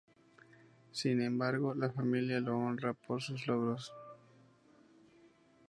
Sin embargo, la familia lo honra por sus logros.